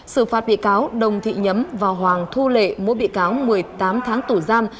xử phạt bị cáo đồng thị nhấm và hoàng thu lệ mỗi bị cáo một mươi tám tháng tù giam